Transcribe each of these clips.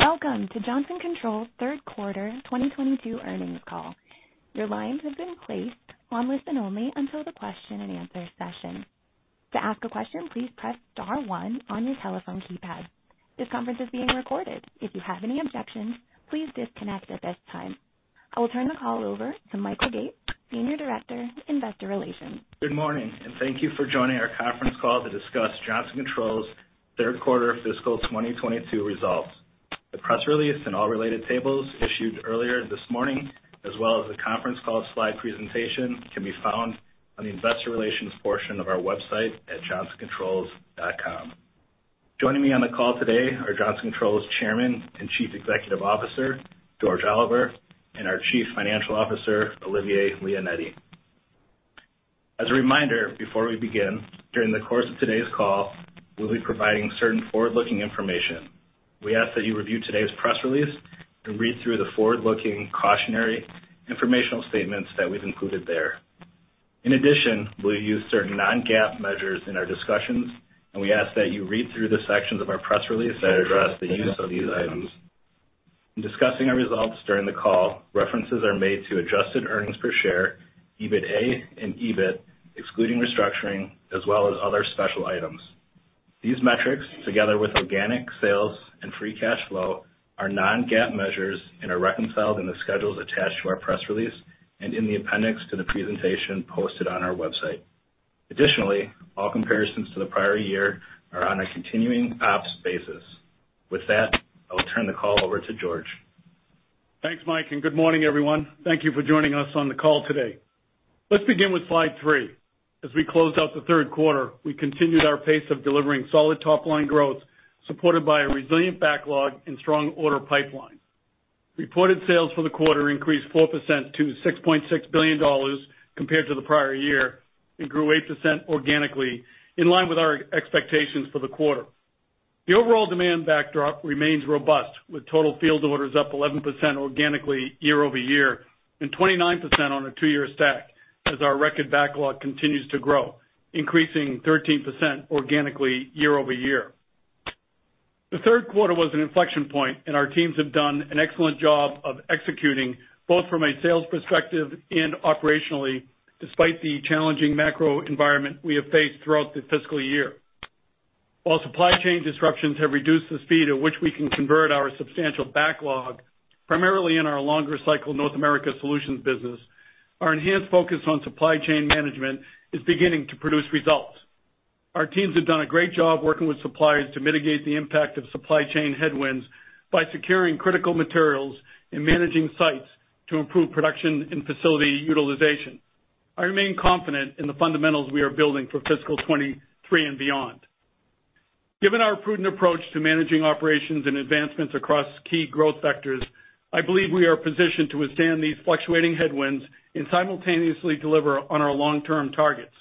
Welcome to Johnson Controls third quarter 2022 earnings call. Your lines have been placed on listen only until the question-and-answer session. To ask a question, please press star one on your telephone keypad. This conference is being recorded. If you have any objections, please disconnect at this time. I will turn the call over to Michael Gates, Senior Director, Investor Relations. Good morning, and thank you for joining our conference call to discuss Johnson Controls third quarter fiscal 2022 results. The press release and all related tables issued earlier this morning, as well as the conference call slide presentation, can be found on the investor relations portion of our website at johnsoncontrols.com. Joining me on the call today are Johnson Controls Chairman and Chief Executive Officer, George Oliver, and our Chief Financial Officer, Olivier Leonetti. As a reminder, before we begin, during the course of today's call, we'll be providing certain forward-looking information. We ask that you review today's press release and read through the forward-looking cautionary informational statements that we've included there. In addition, we'll use certain non-GAAP measures in our discussions, and we ask that you read through the sections of our press release that address the use of these items. In discussing our results during the call, references are made to adjusted earnings per share, EBITA and EBIT, excluding restructuring, as well as other special items. These metrics, together with organic sales and free cash flow, are non-GAAP measures and are reconciled in the schedules attached to our press release and in the appendix to the presentation posted on our website. Additionally, all comparisons to the prior year are on a continuing ops basis. With that, I will turn the call over to George. Thanks, Mike, and good morning, everyone. Thank you for joining us on the call today. Let's begin with slide three. As we closed out the third quarter, we continued our pace of delivering solid top-line growth, supported by a resilient backlog and strong order pipeline. Reported sales for the quarter increased 4% to $6.6 billion compared to the prior year and grew 8% organically, in line with our expectations for the quarter. The overall demand backdrop remains robust, with total field orders up 11% organically year-over-year and 29% on a two-year stack as our record backlog continues to grow, increasing 13% organically year-over-year. The third quarter was an inflection point and our teams have done an excellent job of executing, both from a sales perspective and operationally, despite the challenging macro environment we have faced throughout the fiscal year. While supply chain disruptions have reduced the speed at which we can convert our substantial backlog, primarily in our longer cycle North America Solutions business, our enhanced focus on supply chain management is beginning to produce results. Our teams have done a great job working with suppliers to mitigate the impact of supply chain headwinds by securing critical materials and managing sites to improve production and facility utilization. I remain confident in the fundamentals we are building for fiscal 2023 and beyond. Given our prudent approach to managing operations and advancements across key growth sectors, I believe we are positioned to withstand these fluctuating headwinds and simultaneously deliver on our long-term targets.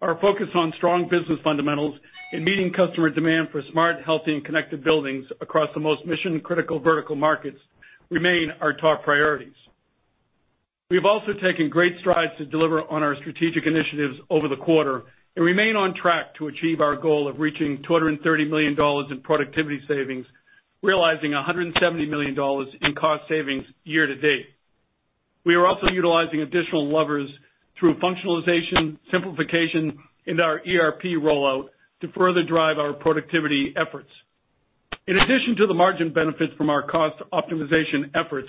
Our focus on strong business fundamentals and meeting customer demand for smart, healthy, and connected buildings across the most mission-critical vertical markets remain our top priorities. We have also taken great strides to deliver on our strategic initiatives over the quarter and remain on track to achieve our goal of reaching $230 million in productivity savings, realizing $170 million in cost savings year to date. We are also utilizing additional levers through functionalization, simplification, and our ERP rollout to further drive our productivity efforts. In addition to the margin benefits from our cost optimization efforts,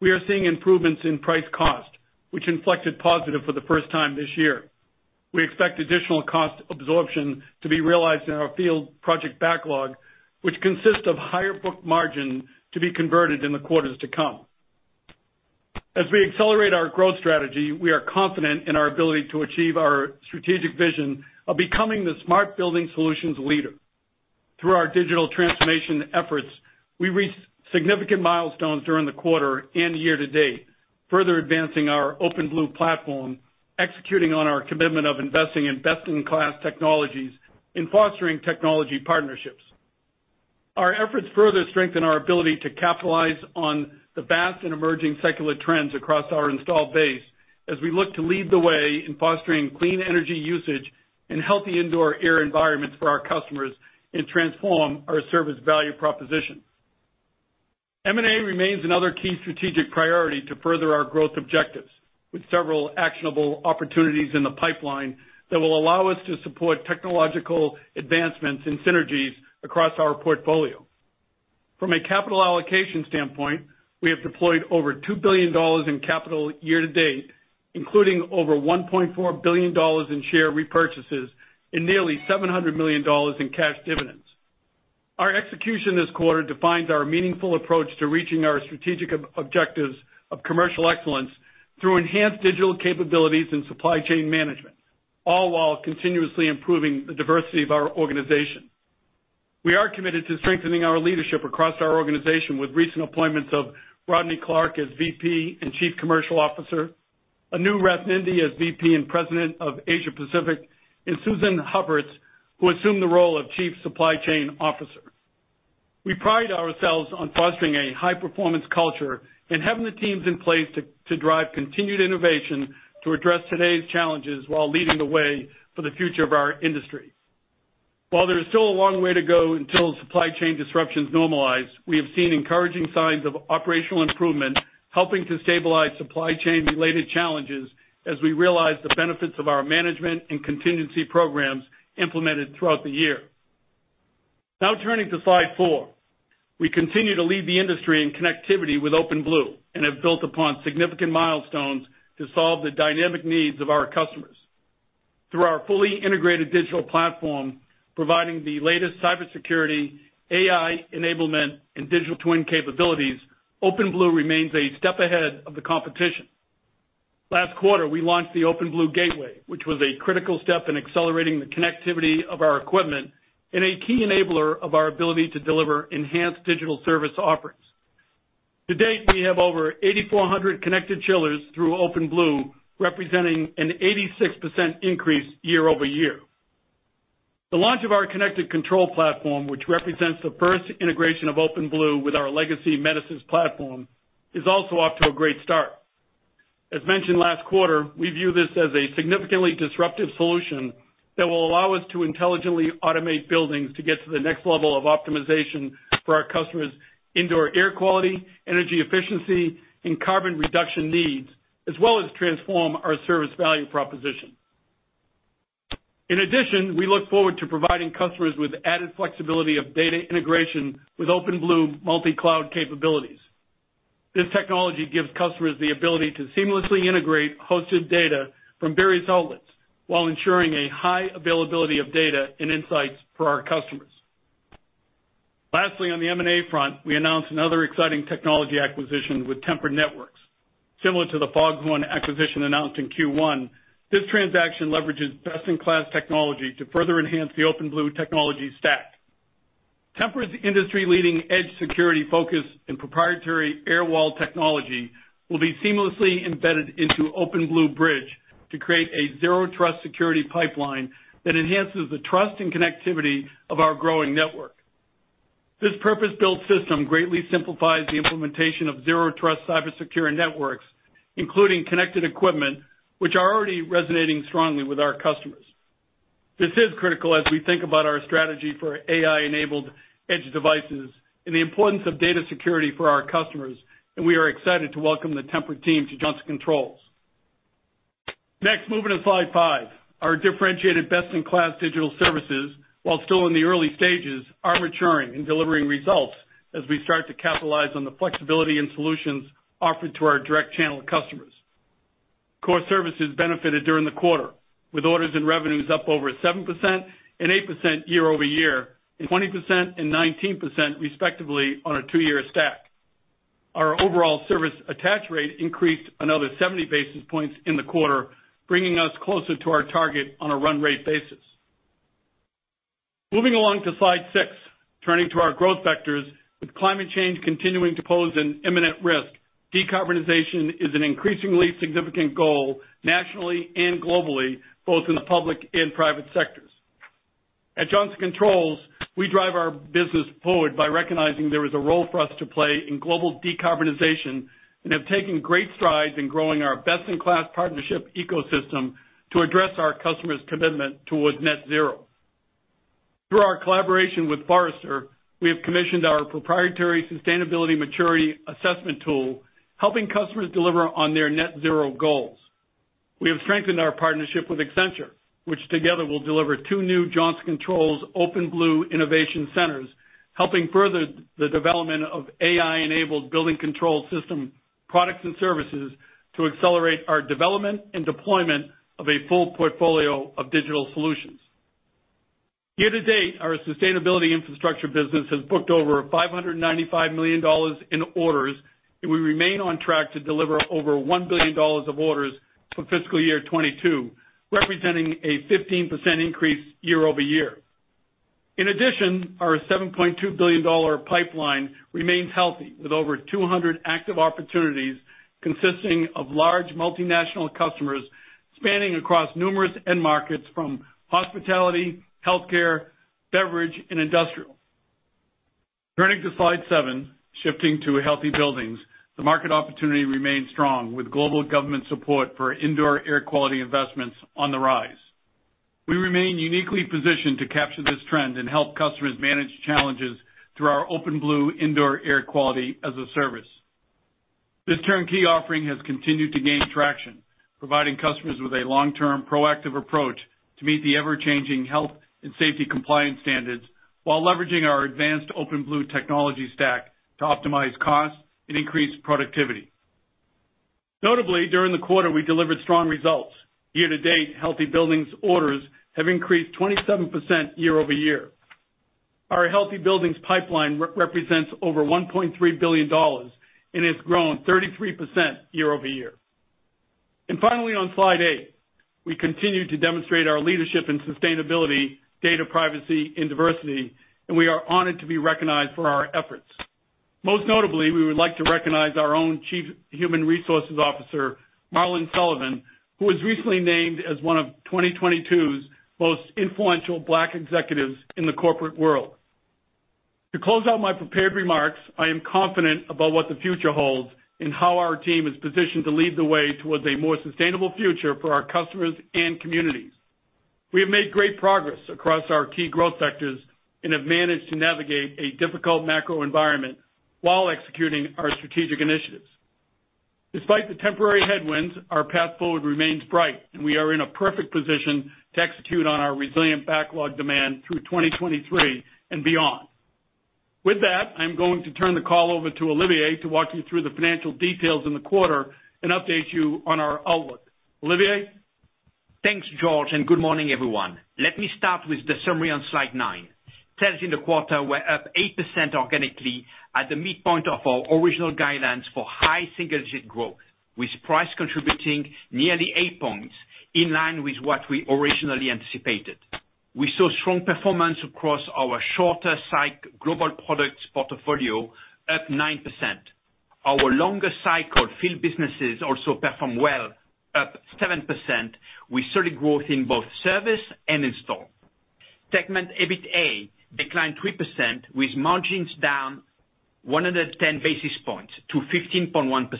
we are seeing improvements in price cost, which inflected positive for the first time this year. We expect additional cost absorption to be realized in our field project backlog, which consists of higher book margin to be converted in the quarters to come. As we accelerate our growth strategy, we are confident in our ability to achieve our strategic vision of becoming the smart building solutions leader. Through our digital transformation efforts, we reached significant milestones during the quarter and year to date, further advancing our OpenBlue platform, executing on our commitment of investing in best-in-class technologies and fostering technology partnerships. Our efforts further strengthen our ability to capitalize on the vast and emerging secular trends across our installed base as we look to lead the way in fostering clean energy usage and healthy indoor air environments for our customers and transform our service value proposition. M&A remains another key strategic priority to further our growth objectives, with several actionable opportunities in the pipeline that will allow us to support technological advancements and synergies across our portfolio. From a capital allocation standpoint, we have deployed over $2 billion in capital year to date, including over $1.4 billion in share repurchases and nearly $700 million in cash dividends. Our execution this quarter defines our meaningful approach to reaching our strategic objectives of commercial excellence through enhanced digital capabilities and supply chain management, all while continuously improving the diversity of our organization. We are committed to strengthening our leadership across our organization with recent appointments of Rodney Clark as VP and Chief Commercial Officer, Anu Rathninde as VP and President of Asia Pacific, and Susan Hughes, who assumed the role of Chief Supply Chain Officer. We pride ourselves on fostering a high-performance culture and having the teams in place to drive continued innovation to address today's challenges while leading the way for the future of our industry. While there is still a long way to go until supply chain disruptions normalize, we have seen encouraging signs of operational improvement, helping to stabilize supply chain-related challenges as we realize the benefits of our management and contingency programs implemented throughout the year. Now turning to slide four. We continue to lead the industry in connectivity with OpenBlue, and have built upon significant milestones to solve the dynamic needs of our customers. Through our fully integrated digital platform, providing the latest cybersecurity, AI enablement, and digital twin capabilities, OpenBlue remains a step ahead of the competition. Last quarter, we launched the OpenBlue Gateway, which was a critical step in accelerating the connectivity of our equipment and a key enabler of our ability to deliver enhanced digital service offerings. To date, we have over 8,400 connected chillers through OpenBlue, representing an 86% increase year-over-year. The launch of our connected control platform, which represents the first integration of OpenBlue with our legacy Metasys platform, is also off to a great start. As mentioned last quarter, we view this as a significantly disruptive solution that will allow us to intelligently automate buildings to get to the next level of optimization for our customers' indoor air quality, energy efficiency, and carbon reduction needs, as well as transform our service value proposition. In addition, we look forward to providing customers with added flexibility of data integration with OpenBlue multi-cloud capabilities. This technology gives customers the ability to seamlessly integrate hosted data from various outlets while ensuring a high availability of data and insights for our customers. Lastly, on the M&A front, we announced another exciting technology acquisition with Tempered Networks. Similar to the FogHorn acquisition announced in Q1, this transaction leverages best-in-class technology to further enhance the OpenBlue technology stack. Tempered's industry-leading edge security focus and proprietary Airwall technology will be seamlessly embedded into OpenBlue Bridge to create a zero trust security pipeline that enhances the trust and connectivity of our growing network. This purpose-built system greatly simplifies the implementation of zero trust cybersecurity networks, including connected equipment, which are already resonating strongly with our customers. This is critical as we think about our strategy for AI-enabled edge devices and the importance of data security for our customers, and we are excited to welcome the Tempered team to Johnson Controls. Next, moving to slide five. Our differentiated best-in-class digital services, while still in the early stages, are maturing and delivering results as we start to capitalize on the flexibility and solutions offered to our direct channel customers. Core services benefited during the quarter, with orders and revenues up over 7% and 8% year-over-year, and 20% and 19% respectively on a two-year stack. Our overall service attach rate increased another 70 basis points in the quarter, bringing us closer to our target on a run rate basis. Moving along to slide six, turning to our growth vectors, with climate change continuing to pose an imminent risk, decarbonization is an increasingly significant goal nationally and globally, both in the public and private sectors. At Johnson Controls, we drive our business forward by recognizing there is a role for us to play in global decarbonization and have taken great strides in growing our best-in-class partnership ecosystem to address our customers' commitment towards net zero. Through our collaboration with Forrester, we have commissioned our proprietary sustainability maturity assessment tool, helping customers deliver on their net zero goals. We have strengthened our partnership with Accenture, which together will deliver two new Johnson Controls OpenBlue Innovation Centers, helping further the development of AI-enabled building control system products and services to accelerate our development and deployment of a full portfolio of digital solutions. Year to date, our sustainability infrastructure business has booked over $595 million in orders, and we remain on track to deliver over $1 billion of orders for fiscal year 2022, representing a 15% increase year-over-year. In addition, our $7.2 billion pipeline remains healthy, with over 200 active opportunities consisting of large multinational customers spanning across numerous end markets from hospitality, healthcare, beverage, and industrial. Turning to slide seven, shifting to healthy buildings, the market opportunity remains strong with global government support for indoor air quality investments on the rise. We remain uniquely positioned to capture this trend and help customers manage challenges through our OpenBlue indoor air quality as a service. This turnkey offering has continued to gain traction, providing customers with a long-term proactive approach to meet the ever-changing health and safety compliance standards while leveraging our advanced OpenBlue technology stack to optimize costs and increase productivity. Notably, during the quarter, we delivered strong results. Year to date, healthy buildings orders have increased 27% year-over-year. Our healthy buildings pipeline represents over $1.3 billion and has grown 33% year-over-year. Finally, on slide eight, we continue to demonstrate our leadership in sustainability, data privacy, and diversity, and we are honored to be recognized for our efforts. Most notably, we would like to recognize our own Chief Human Resources Officer, Marlon Sullivan, who was recently named as one of 2022's most influential Black executives in the corporate world. To close out my prepared remarks, I am confident about what the future holds and how our team is positioned to lead the way towards a more sustainable future for our customers and communities. We have made great progress across our key growth sectors and have managed to navigate a difficult macro environment while executing our strategic initiatives. Despite the temporary headwinds, our path forward remains bright, and we are in a perfect position to execute on our resilient backlog demand through 2023 and beyond. With that, I'm going to turn the call over to Olivier to walk you through the financial details in the quarter and update you on our outlook. Olivier? Thanks, George, and good morning, everyone. Let me start with the summary on slide nine. Sales in the quarter were up 8% organically at the midpoint of our original guidance for high single-digit growth, with price contributing nearly eight points, in line with what we originally anticipated. We saw strong performance across our shorter cycle global products portfolio at 9%. Our longer cycle field businesses also performed well, up 7%. We saw the growth in both service and install. Segment EBITA declined 3%, with margins down 110 basis points to 15.1%.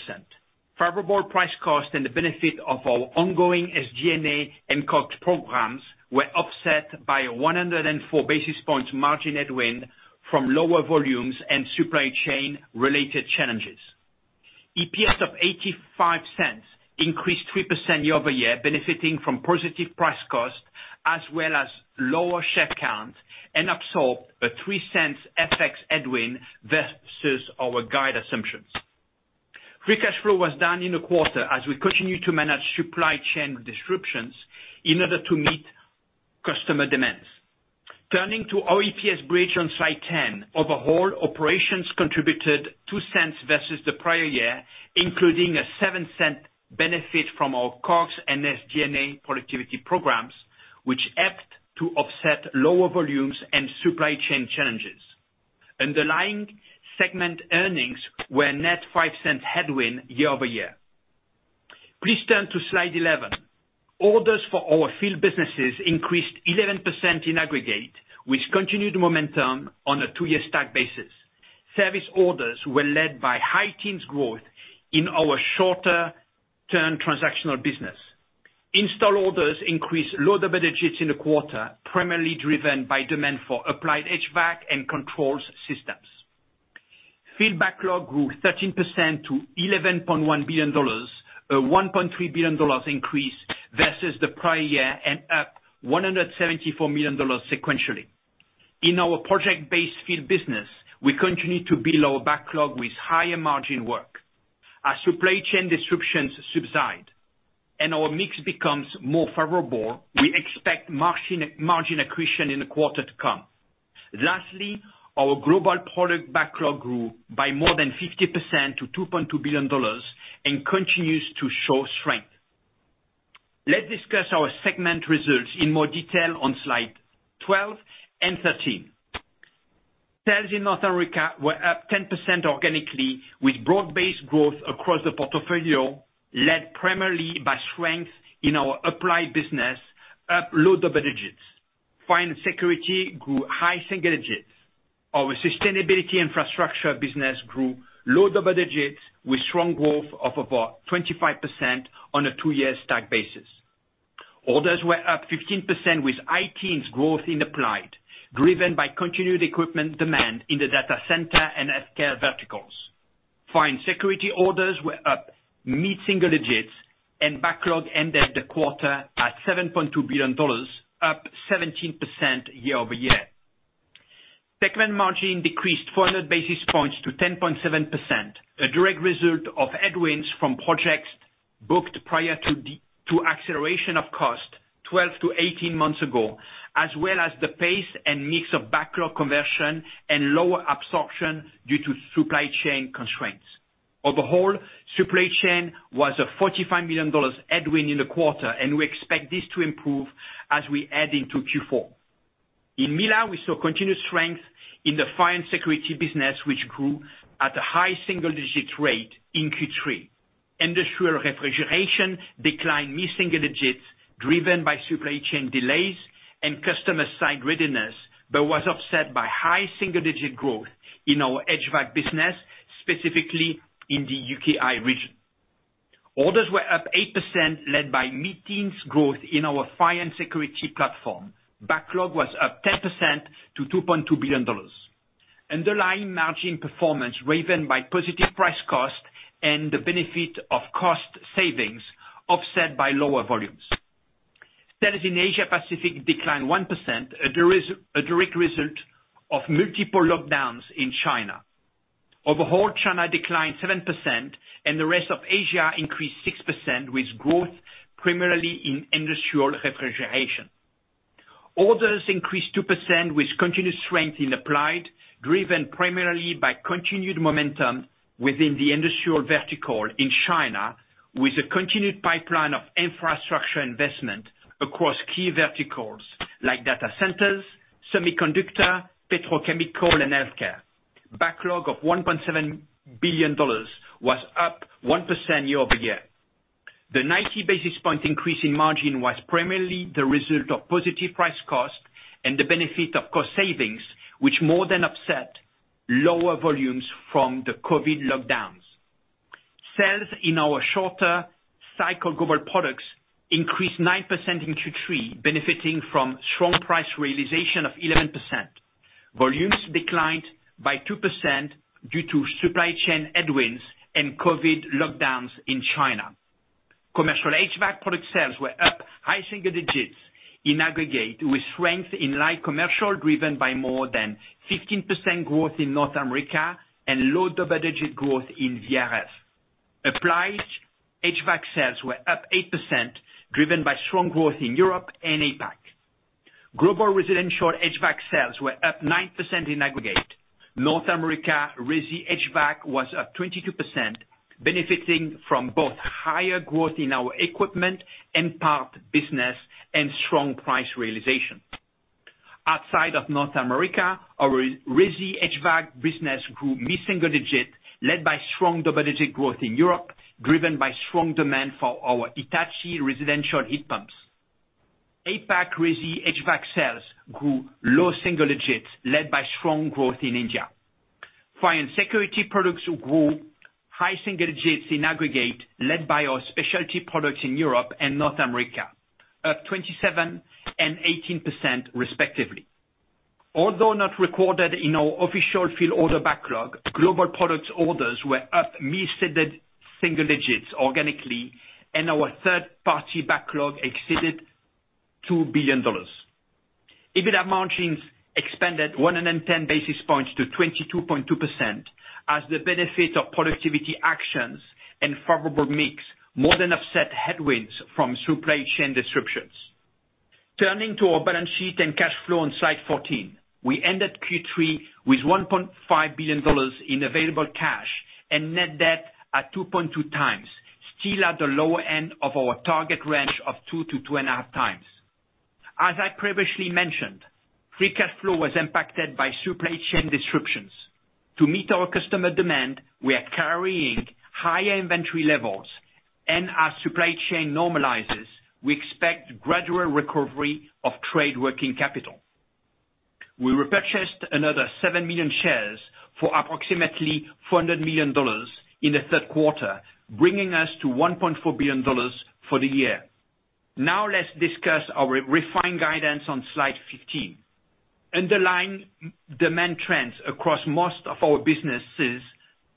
Favorable price cost and the benefit of our ongoing SG&A and COGS programs were offset by a 104 basis points margin headwind from lower volumes and supply chain-related challenges. EPS of $0.85 increased 3% year-over-year benefiting from positive price-cost as well as lower share count and absorbed a $0.03 FX headwind versus our guide assumptions. Free cash flow was down in the quarter as we continue to manage supply chain disruptions in order to meet customer demands. Turning to our EPS bridge on slide 10. Overall, operations contributed $0.02 versus the prior year, including a $0.07 benefit from our COGS and SG&A productivity programs, which helped to offset lower volumes and supply chain challenges. Underlying segment earnings were a net $0.05 headwind year-over-year. Please turn to slide 11. Orders for our field businesses increased 11% in aggregate, with continued momentum on a two-year stack basis. Service orders were led by high-teens growth in our shorter term transactional business. Install orders increased low double digits in the quarter, primarily driven by demand for applied HVAC and controls systems. Field backlog grew 13% to $1.1 billion, a $1.3 billion increase versus the prior year and up $174 million sequentially. In our project-based field business, we continue to build our backlog with higher margin work. As supply chain disruptions subside and our mix becomes more favorable, we expect margin accretion in the quarter to come. Lastly, our global product backlog grew by more than 50% to $2.2 billion and continues to show strength. Let's discuss our segment results in more detail on slide 12 and 13. Sales in North America were up 10% organically, with broad-based growth across the portfolio, led primarily by strength in our applied business, up low double digits. Fire and security grew high single digits. Our sustainability infrastructure business grew low double digits with strong growth of about 25% on a two-year stack basis. Orders were up 15% with high teens growth in applied, driven by continued equipment demand in the data center and healthcare verticals. Fire and security orders were up mid-single digits and backlog ended the quarter at $7.2 billion, up 17% year-over-year. Segment margin decreased 400 basis points to 10.7%, a direct result of headwinds from projects booked prior to the acceleration of cost 12-18 months ago, as well as the pace and mix of backlog conversion and lower absorption due to supply chain constraints. Overall, supply chain was a $45 million headwind in the quarter, and we expect this to improve as we add into Q4. In EMEA, we saw continued strength in the fire and security business, which grew at a high single-digit rate in Q3. Industrial refrigeration declined mid-single digits, driven by supply chain delays and customer site readiness, but was offset by high single-digit growth in our HVAC business, specifically in the UKI region. Orders were up 8%, led by mid-teens growth in our fire and security platform. Backlog was up 10% to $2.2 billion. Underlying margin performance driven by positive price cost and the benefit of cost savings offset by lower volumes. Sales in Asia Pacific declined 1%, a direct result of multiple lockdowns in China. Overall, China declined 7% and the rest of Asia increased 6%, with growth primarily in industrial refrigeration. Orders increased 2% with continued strength in Applied, driven primarily by continued momentum within the industrial vertical in China, with a continued pipeline of infrastructure investment across key verticals like data centers, semiconductor, petrochemical, and healthcare. Backlog of $1.7 billion was up 1% year-over-year. The 90 basis point increase in margin was primarily the result of positive price-cost and the benefit of cost savings, which more than offset lower volumes from the COVID lockdowns. Sales in our shorter cycle global products increased 9% in Q3, benefiting from strong price realization of 11%. Volumes declined by 2% due to supply chain headwinds and COVID lockdowns in China. Commercial HVAC product sales were up high single digits in aggregate with strength in light commercial, driven by more than 15% growth in North America and low double-digit growth in VRF. Applied HVAC sales were up 8% driven by strong growth in Europe and APAC. Global residential HVAC sales were up 9% in aggregate. North America resi HVAC was up 22%, benefiting from both higher growth in our equipment and parts business and strong price realization. Outside of North America, our resi HVAC business grew mid-single digits, led by strong double-digit growth in Europe, driven by strong demand for our Hitachi residential heat pumps. APAC resi HVAC sales grew low single digits led by strong growth in India. Fire and Security products grew high single digits in aggregate, led by our specialty products in Europe and North America, up 27% and 18% respectively. Although not recorded in our official field order backlog, global products orders were up mid- to high-single digits organically, and our third-party backlog exceeded $2 billion. EBITDA margins expanded 110 basis points to 22.2% as the benefit of productivity actions and favorable mix more than offset headwinds from supply chain disruptions. Turning to our balance sheet and cash flow on slide 14. We ended Q3 with $1.5 billion in available cash and net debt at 2.2 times, still at the lower end of our target range of 2-2.5 times. As I previously mentioned, free cash flow was impacted by supply chain disruptions. To meet our customer demand, we are carrying higher inventory levels and as supply chain normalizes, we expect gradual recovery of trade working capital. We repurchased another 7 million shares for approximately $400 million in the third quarter, bringing us to $1.4 billion for the year. Now let's discuss our refined guidance on slide 15. Underlying demand trends across most of our businesses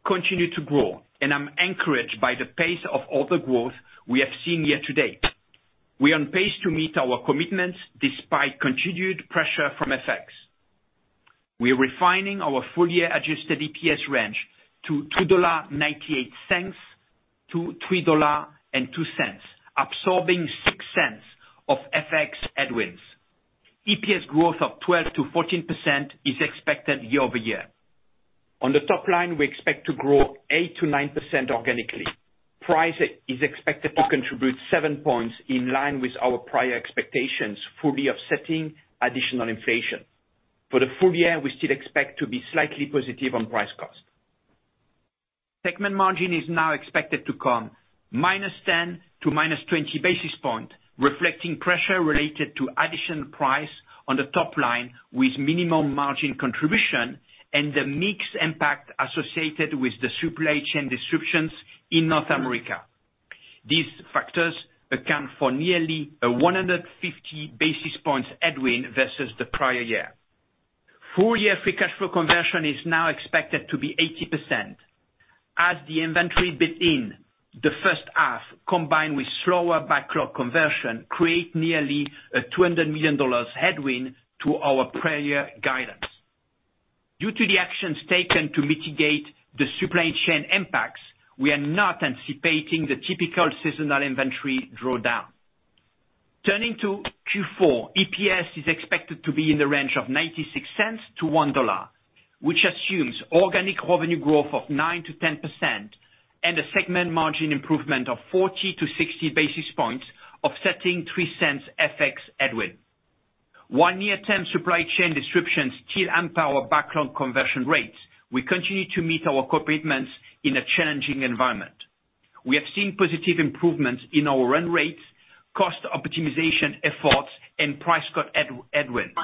continue to grow, and I'm encouraged by the pace of order growth we have seen year-to-date. We are on pace to meet our commitments despite continued pressure from FX. We are refining our full-year adjusted EPS range to $2.98-$3.02, absorbing $0.06 of FX headwinds. EPS growth of 12%-14% is expected year-over-year. On the top line, we expect to grow 8%-9% organically. Price is expected to contribute seven points in line with our prior expectations, fully offsetting additional inflation. For the full year, we still expect to be slightly positive on price cost. Segment margin is now expected to come -10 to -20 basis points, reflecting pressure related to additional price on the top line with minimal margin contribution and the mix impact associated with the supply chain disruptions in North America. These factors account for nearly 150 basis points headwind versus the prior year. Full year free cash flow conversion is now expected to be 80% as the inventory built in the first half, combined with slower backlog conversion, create nearly $200 million headwind to our prior guidance. Due to the actions taken to mitigate the supply chain impacts, we are not anticipating the typical seasonal inventory drawdown. Turning to Q4, EPS is expected to be in the range of $0.96-$1.00, which assumes organic revenue growth of 9%-10% and a segment margin improvement of 40-60 basis points, offsetting $0.03 FX headwind. While near-term supply chain disruptions still hamper our backlog conversion rates, we continue to meet our commitments in a challenging environment. We have seen positive improvements in our run rates, cost optimization efforts, and price-cost headwinds.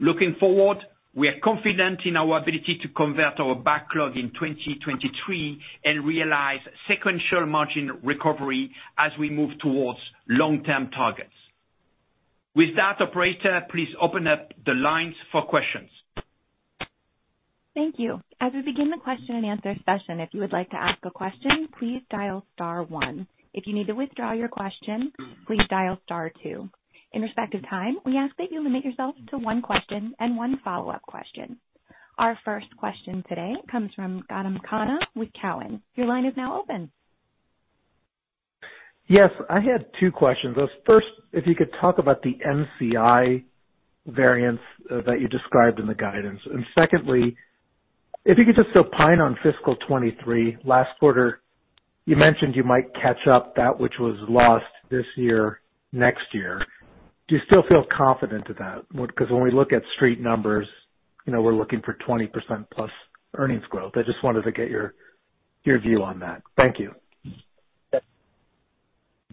Looking forward, we are confident in our ability to convert our backlog in 2023 and realize sequential margin recovery as we move towards long-term targets. With that, operator, please open up the lines for questions. Thank you. As we begin the question-and-answer session, if you would like to ask a question, please dial star one. If you need to withdraw your question, please dial star two. In respect of time, we ask that you limit yourself to one question and one follow-up question. Our first question today comes from Gautam Khanna with Cowen. Your line is now open. Yes, I had two questions. First, if you could talk about the NCI variance that you described in the guidance. Secondly, if you could just opine on fiscal 2023. Last quarter, you mentioned you might catch up that which was lost this year, next year. Do you still feel confident about that? Because when we look at street numbers, you know, we're looking for 20% plus earnings growth. I just wanted to get your view on that. Thank you.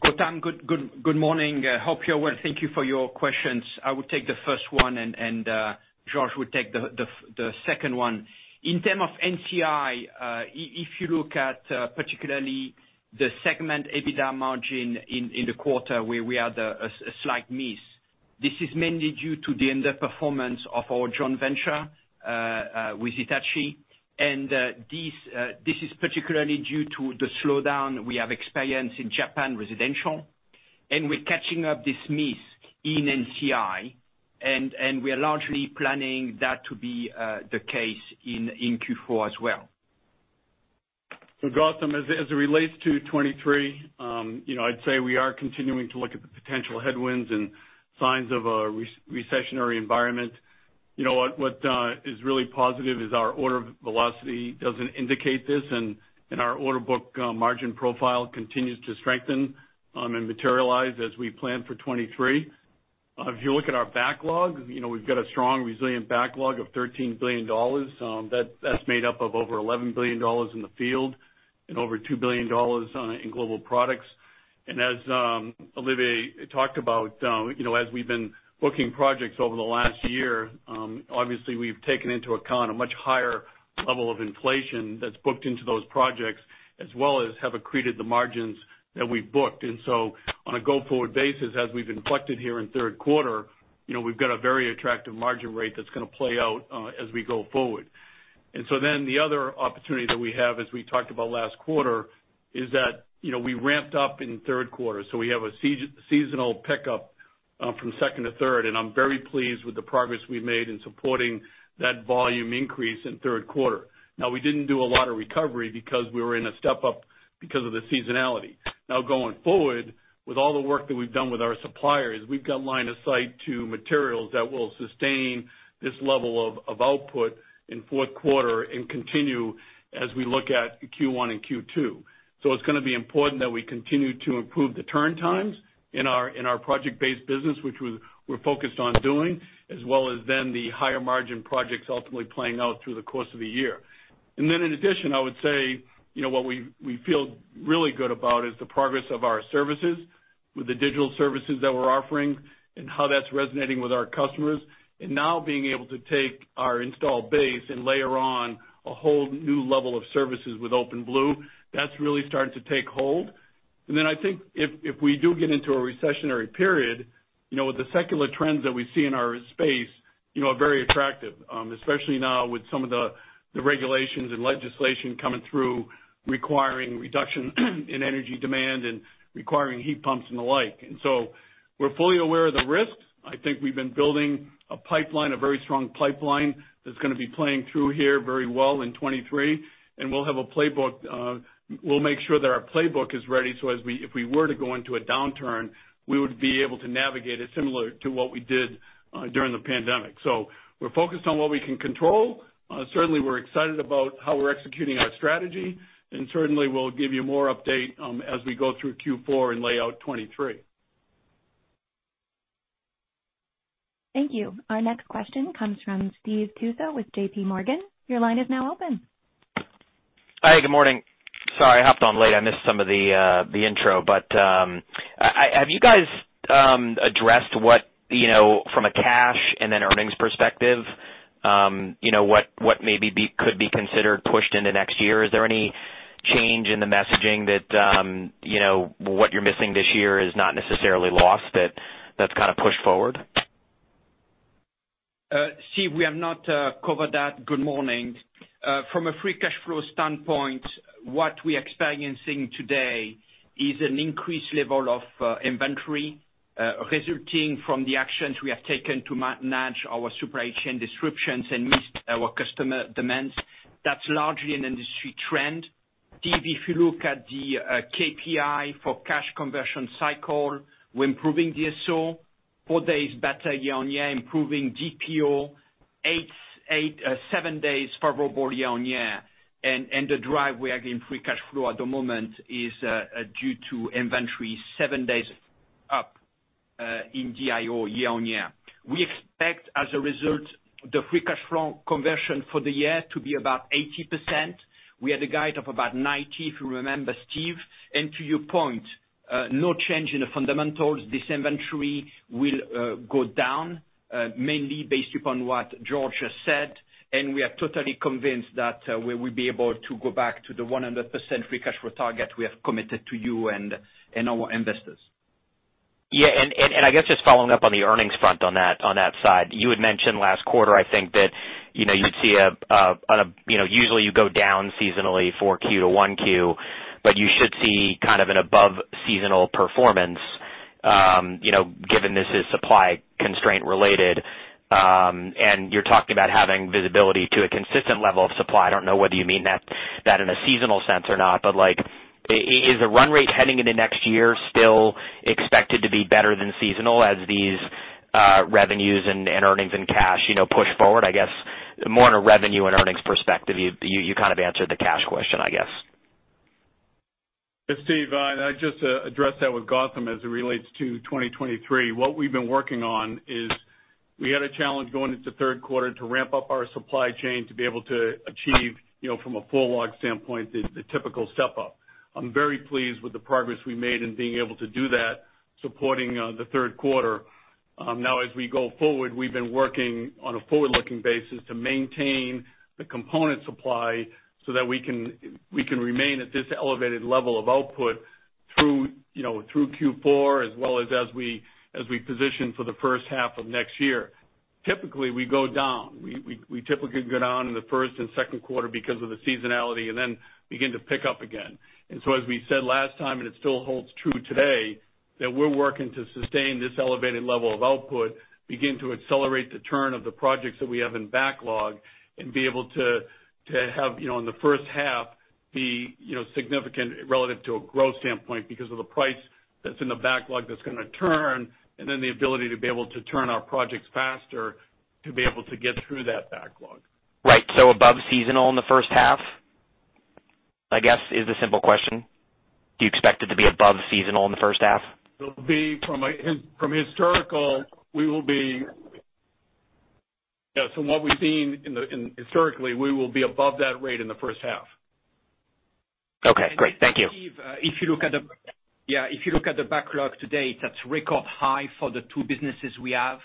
Gautam, good morning. Hope you're well. Thank you for your questions. I will take the first one, and George will take the second one. In terms of NCI, if you look at particularly the segment EBITDA margin in the quarter where we had a slight miss, this is mainly due to the underperformance of our joint venture with Hitachi. This is particularly due to the slowdown we have experienced in Japan residential, and we're catching up this miss in NCI, and we are largely planning that to be the case in Q4 as well. Gautam, as it relates to 2023, you know, I'd say we are continuing to look at the potential headwinds and signs of a recessionary environment. You know, what is really positive is our order velocity doesn't indicate this, and our order book margin profile continues to strengthen and materialize as we plan for 2023. If you look at our backlog, you know, we've got a strong, resilient backlog of $13 billion, that's made up of over $11 billion in the field and over $2 billion in global products. As Olivier talked about, you know, as we've been booking projects over the last year, obviously we've taken into account a much higher level of inflation that's booked into those projects as well as have accreted the margins that we've booked. On a go-forward basis, as we've reflected here in third quarter, you know, we've got a very attractive margin rate that's gonna play out as we go forward. The other opportunity that we have, as we talked about last quarter, is that, you know, we ramped up in third quarter, so we have a seasonal pickup from second to third, and I'm very pleased with the progress we've made in supporting that volume increase in third quarter. Now, we didn't do a lot of recovery because we were in a step-up because of the seasonality. Now, going forward, with all the work that we've done with our suppliers, we've got line of sight to materials that will sustain this level of output in fourth quarter and continue as we look at Q1 and Q2. It's gonna be important that we continue to improve the turn times in our project-based business, which we're focused on doing, as well as then the higher margin projects ultimately playing out through the course of the year. In addition, I would say, you know, what we feel really good about is the progress of our services with the digital services that we're offering and how that's resonating with our customers. Now being able to take our installed base and layer on a whole new level of services with OpenBlue, that's really starting to take hold. I think if we do get into a recessionary period, you know, the secular trends that we see in our space, you know, are very attractive, especially now with some of the regulations and legislation coming through requiring reduction in energy demand and requiring heat pumps and the like. We're fully aware of the risks. I think we've been building a pipeline, a very strong pipeline that's gonna be playing through here very well in 2023. We'll have a playbook, we'll make sure that our playbook is ready if we were to go into a downturn, we would be able to navigate it similar to what we did during the pandemic. We're focused on what we can control. Certainly we're excited about how we're executing our strategy, and certainly we'll give you more update, as we go through Q4 and lay out 2023. Thank you. Our next question comes from Steve Tusa with J.P. Morgan. Your line is now open. Hi, good morning. Sorry I hopped on late. I missed some of the intro. Have you guys addressed what, you know, from a cash and then earnings perspective, you know, what could be considered pushed into next year? Is there any change in the messaging that, you know, what you're missing this year is not necessarily lost, that's kind of pushed forward? Steve, we have not covered that. Good morning. From a free cash flow standpoint, what we're experiencing today is an increased level of inventory resulting from the actions we have taken to manage our supply chain disruptions and meet our customer demands. That's largely an industry trend. Steve, if you look at the KPI for cash conversion cycle, we're improving DSO four days better year-on-year, improving DPO seven days favorable year-on-year. The drive we have in free cash flow at the moment is due to inventory seven days up in DIO year-on-year. We expect, as a result, the free cash flow conversion for the year to be about 80%. We had a guide of about 90, if you remember, Steve. To your point, no change in the fundamentals. This inventory will go down mainly based upon what George has said, and we are totally convinced that we will be able to go back to the 100% free cash flow target we have committed to you and our investors. Yeah. I guess just following up on the earnings front on that side. You had mentioned last quarter, I think, that, you know, you'd see. You know, usually you go down seasonally for Q2 to Q1, but you should see kind of an above seasonal performance, you know, given this is supply constraint related. And you're talking about having visibility to a consistent level of supply. I don't know whether you mean that in a seasonal sense or not, but like, is the run rate heading into next year still expected to be better than seasonal as these revenues and earnings and cash, you know, push forward? I guess more on a revenue and earnings perspective. You kind of answered the cash question, I guess. Steve, I just addressed that with Gautam as it relates to 2023. What we've been working on is we had a challenge going into third quarter to ramp up our supply chain to be able to achieve, you know, from a full load standpoint, the typical step-up. I'm very pleased with the progress we made in being able to do that, supporting the third quarter. Now, as we go forward, we've been working on a forward-looking basis to maintain the component supply so that we can remain at this elevated level of output through, you know, Q4 as well as we position for the first half of next year. Typically, we go down. We typically go down in the first and second quarter because of the seasonality and then begin to pick up again. As we said last time, and it still holds true today, that we're working to sustain this elevated level of output, begin to accelerate the turn of the projects that we have in backlog and be able to have, you know, in the first half, be, you know, significant relative to a growth standpoint because of the price that's in the backlog that's gonna turn, and then the ability to be able to turn our projects faster to be able to get through that backlog. Right. Above seasonal in the first half, I guess, is the simple question. Do you expect it to be above seasonal in the first half? Yeah, from what we've seen historically, we will be above that rate in the first half. Okay, great. Thank you. Then Steve, if you look at the backlog today, that's record high for the two businesses we have.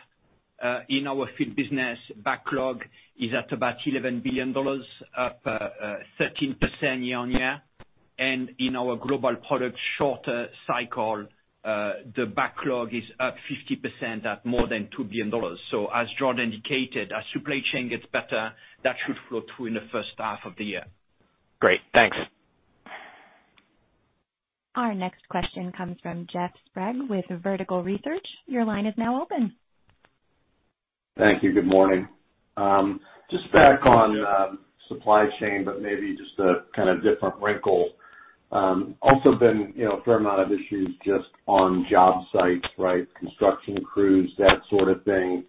In our field business, backlog is at about $11 billion, up 13% year-over-year. In our global product shorter cycle, the backlog is up 50% at more than $2 billion. As George indicated, as supply chain gets better, that should flow through in the first half of the year. Great. Thanks. Our next question comes from Jeff Sprague with Vertical Research. Your line is now open. Thank you. Good morning. Just back on supply chain, but maybe just a kind of different wrinkle. Also been, you know, a fair amount of issues just on job sites, right? Construction crews, that sort of thing.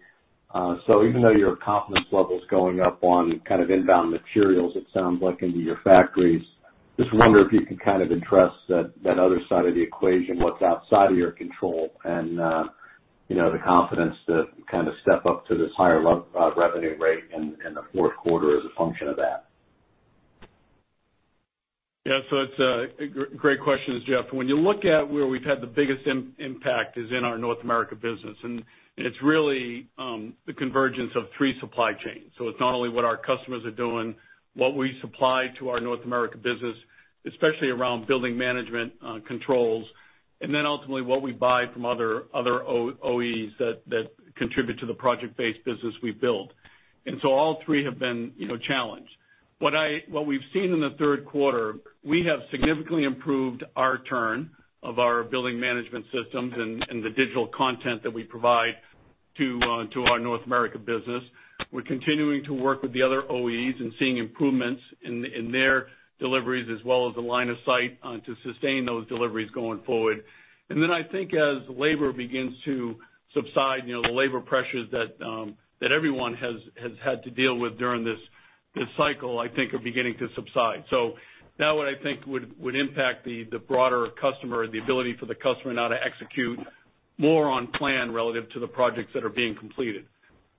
Even though your confidence level is going up on kind of inbound materials, it sounds like into your factories, just wonder if you can kind of address that other side of the equation, what's outside of your control and, you know, the confidence to kind of step up to this higher revenue rate in the fourth quarter as a function of that. Yeah. It's a great question, Jeff. When you look at where we've had the biggest impact is in our North America business, and it's really the convergence of three supply chains. It's not only what our customers are doing, what we supply to our North America business, especially around building management controls, and then ultimately what we buy from other OEs that contribute to the project-based business we build. All three have been, you know, challenged. What we've seen in the third quarter, we have significantly improved our turn of our building management systems and the digital content that we provide to our North America business. We're continuing to work with the other OEs and seeing improvements in their deliveries as well as the line of sight to sustain those deliveries going forward. I think as labor begins to subside, you know, the labor pressures that everyone has had to deal with during this cycle, I think are beginning to subside. That would, I think, impact the broader customer, the ability for the customer now to execute more on plan relative to the projects that are being completed.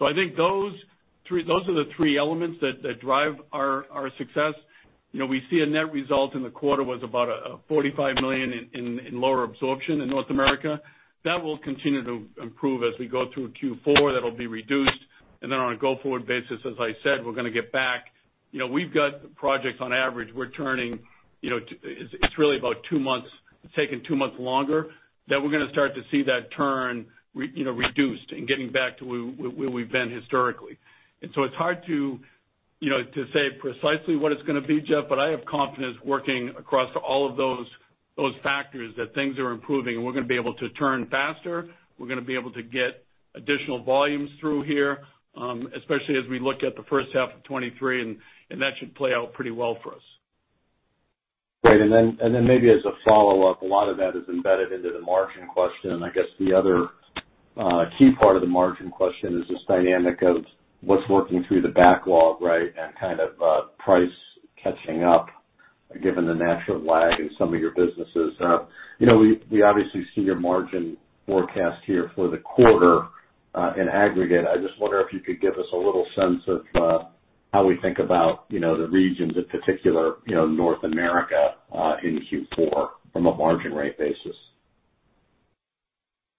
I think those three those are the three elements that drive our success. You know, we see a net result in the quarter was about $45 million in lower absorption in North America. That will continue to improve as we go through Q4. That'll be reduced. On a go-forward basis, as I said, we're gonna get back. You know, we've got projects on average, we're turning, you know, it's really about two months, taking two months longer, that we're gonna start to see that turn reduced and getting back to where we've been historically. It's hard to, you know, to say precisely what it's gonna be, Jeff, but I have confidence working across all of those factors that things are improving, and we're gonna be able to turn faster. We're gonna be able to get additional volumes through here, especially as we look at the first half of 2023, and that should play out pretty well for us. Great. Maybe as a follow-up, a lot of that is embedded into the margin question. I guess the other key part of the margin question is this dynamic of what's working through the backlog, right? Kind of price catching up given the natural lag in some of your businesses. You know, we obviously see your margin forecast here for the quarter in aggregate. I just wonder if you could give us a little sense of how we think about the regions in particular, you know, North America in Q4 from a margin rate basis.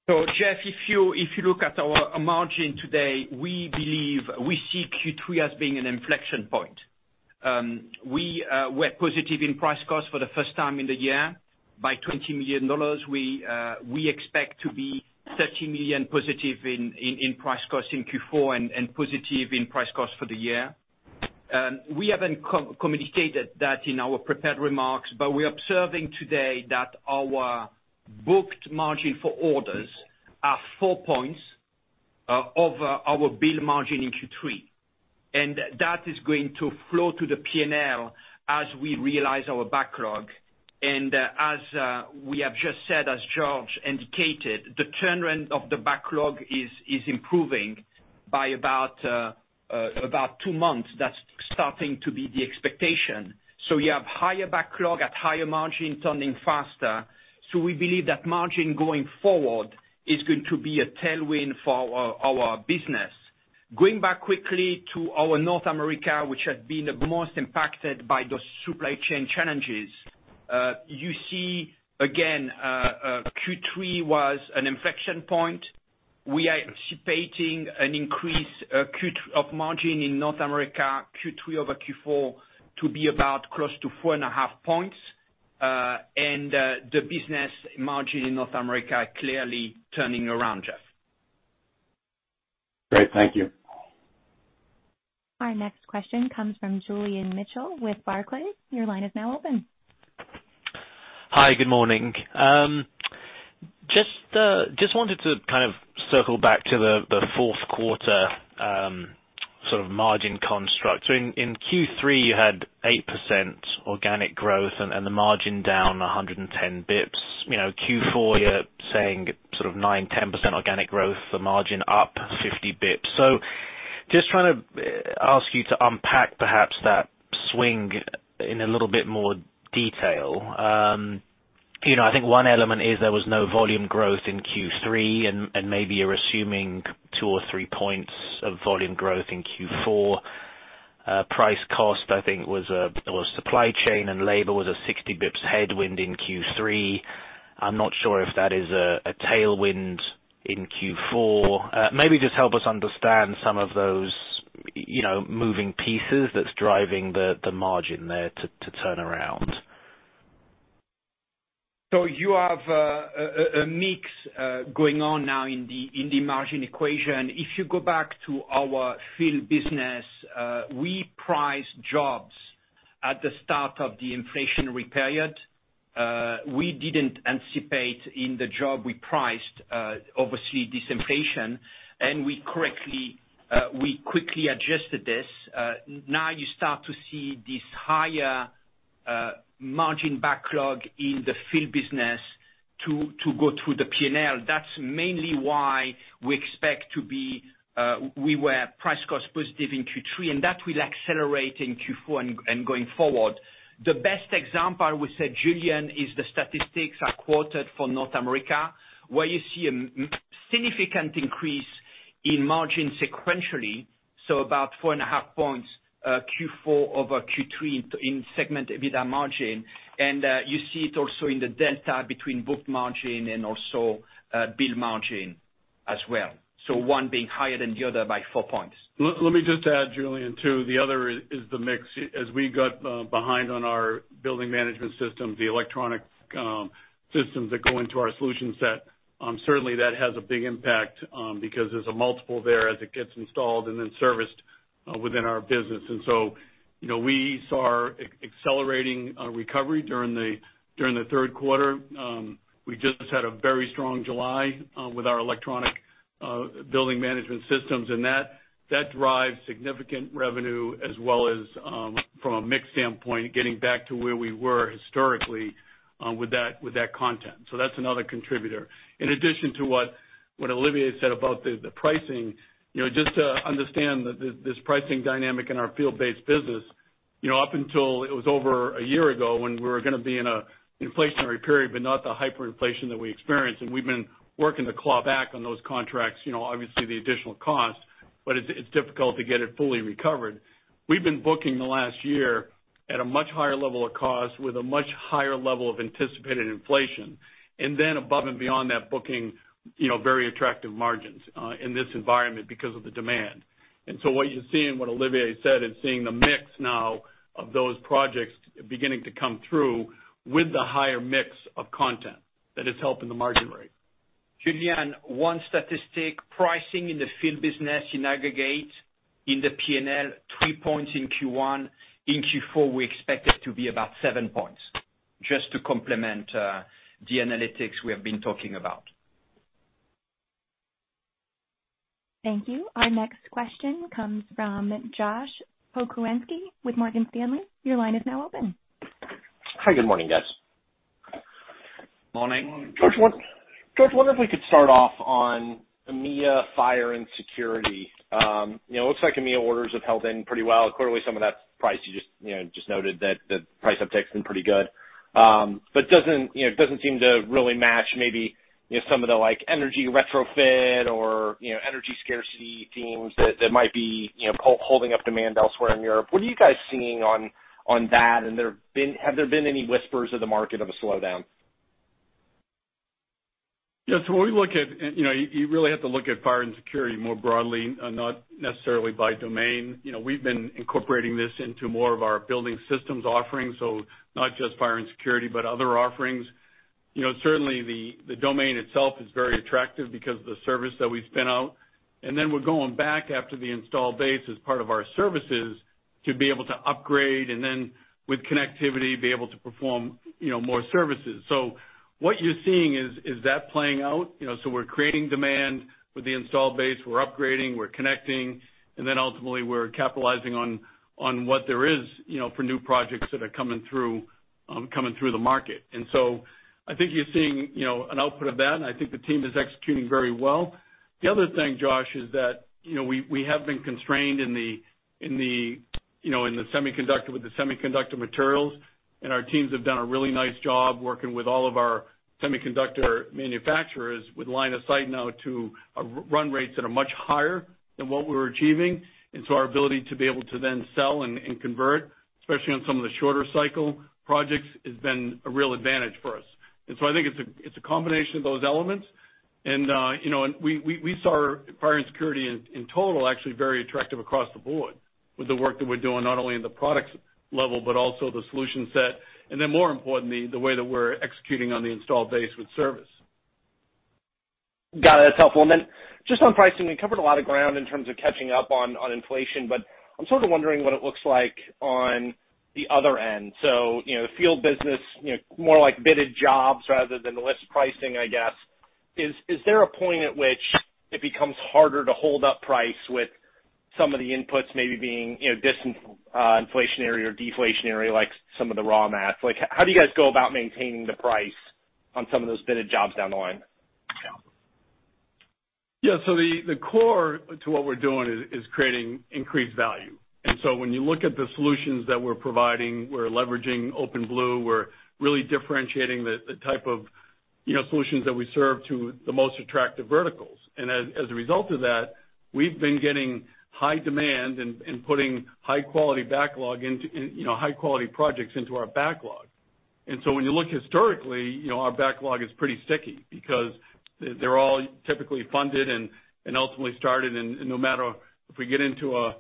Jeff, if you look at our margin today, we believe we see Q3 as being an inflection point. We're positive in price cost for the first time in the year by $20 million. We expect to be $30 million positive in price cost in Q4 and positive in price cost for the year. We haven't communicated that in our prepared remarks, but we're observing today that our booked margin for orders are four points over our bill margin in Q3. That is going to flow to the P&L as we realize our backlog. As we have just said, as George indicated, the turnaround of the backlog is improving by about two months, that's starting to be the expectation. You have higher backlog at higher margin turning faster. We believe that margin going forward is going to be a tailwind for our business. Going back quickly to our North America, which had been the most impacted by those supply chain challenges, you see again, Q3 was an inflection point. We are anticipating an increase of margin in North America, Q3 over Q4, to be about close to 4.5 points. The business margin in North America clearly turning around, Jeff. Great. Thank you. Our next question comes from Julian Mitchell with Barclays. Your line is now open. Hi, good morning. Just wanted to kind of circle back to the fourth quarter sort of margin construct. In Q3, you had 8% organic growth and the margin down 110 basis points. You know, Q4, you're saying sort of 9%-10% organic growth, the margin up 50 basis points. Just trying to ask you to unpack perhaps that swing in a little bit more detail. You know, I think one element is there was no volume growth in Q3, and maybe you're assuming two or three points of volume growth in Q4. Price cost, I think was supply chain and labor was a 60 basis points headwind in Q3. I'm not sure if that is a tailwind in Q4. Maybe just help us understand some of those, you know, moving pieces that's driving the margin there to turn around. You have a mix going on now in the margin equation. If you go back to our field business, we price jobs at the start of the inflationary period. We didn't anticipate in the job we priced obviously this inflation, and we quickly adjusted this. Now you start to see this higher margin backlog in the field business to go through the P&L. That's mainly why we were price cost positive in Q3, and that will accelerate in Q4 and going forward. The best example I would say, Julian, is the statistics I quoted for North America, where you see a significant increase in margin sequentially, so about four and a half points, Q4 over Q3 in segment EBITDA margin. You see it also in the delta between booked margin and also, billed margin as well. One being higher than the other by four points. Let me just add Julian too, the other is the mix. As we got behind on our building management system, the electronic systems that go into our solution set, certainly that has a big impact, because there's a multiple there as it gets installed and then serviced within our business. You know, we saw accelerating recovery during the third quarter. We just had a very strong July with our electronic building management systems, and that drives significant revenue as well as, from a mix standpoint, getting back to where we were historically, with that content. That's another contributor. In addition to what Olivier said about the pricing, you know, just to understand that this pricing dynamic in our field-based business, you know, up until it was over a year ago when we were gonna be in an inflationary period, but not the hyperinflation that we experienced, and we've been working to claw back on those contracts, you know, obviously the additional cost. It's difficult to get it fully recovered. We've been booking the last year at a much higher level of cost with a much higher level of anticipated inflation. Then above and beyond that, booking, you know, very attractive margins in this environment because of the demand. What you're seeing, what Olivier said, is seeing the mix now of those projects beginning to come through with the higher mix of content that is helping the margin rate. Julian, one statistic, pricing in the field business in aggregate in the P&L, three points in Q1. In Q4, we expect it to be about seven points. Just to complement, the analytics we have been talking about. Thank you. Our next question comes from Josh Pokrzywinski with Morgan Stanley. Your line is now open. Hi, good morning, guys. Morning. Morning. George, wonder if we could start off on EMEA fire and security. You know, it looks like EMEA orders have held up pretty well. Clearly, some of that price you just, you know, just noted that the price uptick's been pretty good. Doesn't seem to really match maybe some of the like energy retrofit or energy scarcity themes that might be holding up demand elsewhere in Europe. What are you guys seeing on that? Have there been any whispers of the market of a slowdown? Yeah. When we look at, you know, you really have to look at fire and security more broadly, not necessarily by domain. You know, we've been incorporating this into more of our building systems offerings, so not just fire and security, but other offerings. You know, certainly the domain itself is very attractive because of the service that we spin out. We're going back after the install base as part of our services to be able to upgrade and then with connectivity, be able to perform, you know, more services. What you're seeing is that playing out. You know, so we're creating demand with the install base, we're upgrading, we're connecting, and then ultimately, we're capitalizing on what there is, you know, for new projects that are coming through the market. I think you're seeing, you know, an output of that, and I think the team is executing very well. The other thing, Josh, is that, you know, we have been constrained in the semiconductor with the semiconductor materials, and our teams have done a really nice job working with all of our semiconductor manufacturers with line of sight now to run rates that are much higher than what we're achieving. Our ability to be able to then sell and convert, especially on some of the shorter cycle projects, has been a real advantage for us. I think it's a combination of those elements. You know, we saw our fire and security in total actually very attractive across the board with the work that we're doing, not only in the products level but also the solution set, and then more importantly, the way that we're executing on the installed base with service. Got it. That's helpful. Just on pricing, we covered a lot of ground in terms of catching up on inflation, but I'm sort of wondering what it looks like on the other end. You know, field business, you know, more like bidded jobs rather than list pricing, I guess. Is there a point at which it becomes harder to hold up price with some of the inputs maybe being, you know, disinflationary or deflationary, like some of the raw mats? Like, how do you guys go about maintaining the price on some of those bidded jobs down the line? Yeah. The core to what we're doing is creating increased value. When you look at the solutions that we're providing, we're leveraging OpenBlue, we're really differentiating the type of, you know, solutions that we serve to the most attractive verticals. As a result of that, we've been getting high demand and putting high quality backlog into, you know, high quality projects into our backlog. When you look historically, you know, our backlog is pretty sticky because they're all typically funded and ultimately started. No matter if we get into a,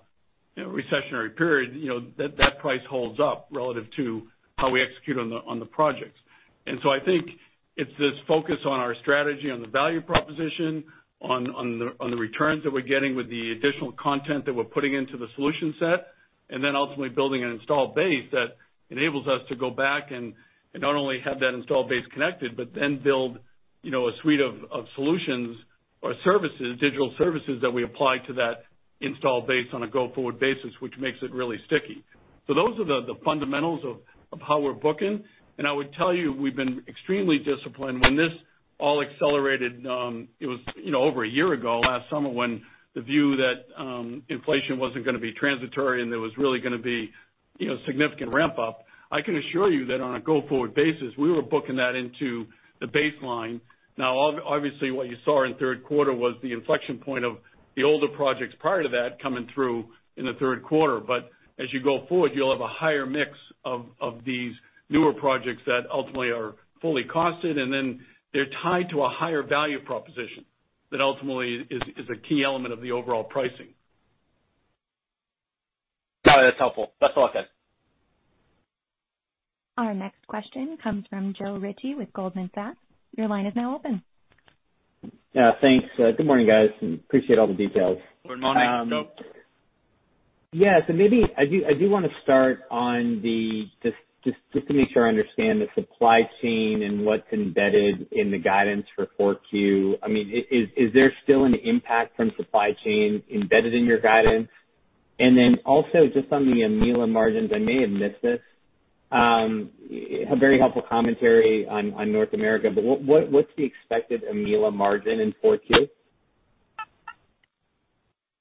you know, recessionary period, you know, that price holds up relative to how we execute on the projects. I think it's this focus on our strategy, on the value proposition, on the returns that we're getting with the additional content that we're putting into the solution set, and then ultimately building an installed base that enables us to go back and not only have that installed base connected, but then build, you know, a suite of solutions or services, digital services that we apply to that installed base on a go-forward basis, which makes it really sticky. Those are the fundamentals of how we're booking. I would tell you, we've been extremely disciplined. When this all accelerated, it was, you know, over a year ago, last summer, when the view that inflation wasn't gonna be transitory and there was really gonna be, you know, significant ramp up, I can assure you that on a go-forward basis, we were booking that into the baseline. Now obviously, what you saw in third quarter was the inflection point of the older projects prior to that coming through in the third quarter. As you go forward, you'll have a higher mix of these newer projects that ultimately are fully costed, and then they're tied to a higher value proposition that ultimately is a key element of the overall pricing. Got it. That's helpful. That's all I've got. Our next question comes from Joe Ritchie with Goldman Sachs. Your line is now open. Yeah. Thanks. Good morning, guys. Appreciate all the details. Good morning, Joe. Maybe I do want to start on the just to make sure I understand the supply chain and what's embedded in the guidance for Q4. I mean, is there still an impact from supply chain embedded in your guidance? And then also just on the EMEA/LA margins, I may have missed this. A very helpful commentary on North America, but what's the expected EMEA/LA margin in Q4?